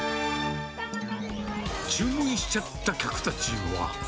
注文しちゃった客たちは。